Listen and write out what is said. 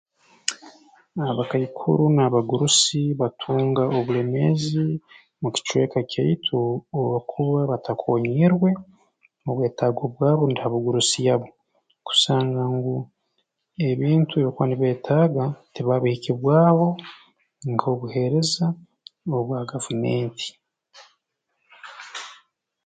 Abakaikuru n'abagurusi batunga obulemeezi mu kicweka kyaitu obu bakuba batakoonyiirwe obwetaago bwabo rundi ha bugurusi yabo kusanga ngu ebintu ebi bakuba nibeetaaga tibabihikibwaho nk'obuheereza obwa gavumenti